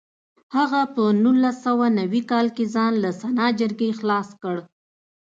هغه په نولس سوه نوي کال کې ځان له سنا جرګې خلاص کړ.